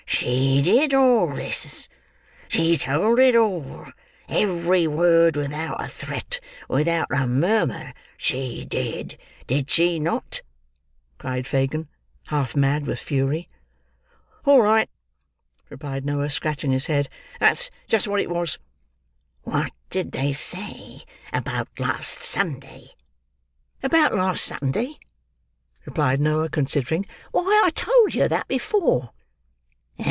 She did all this. She told it all every word without a threat, without a murmur—she did—did she not?" cried Fagin, half mad with fury. "All right," replied Noah, scratching his head. "That's just what it was!" "What did they say, about last Sunday?" "About last Sunday!" replied Noah, considering. "Why I told yer that before."